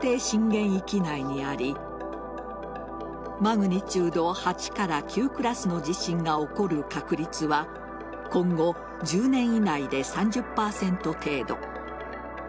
震源域内にありマグニチュード８から９クラスの地震が起こる確率は今後１０年以内で３０％程度。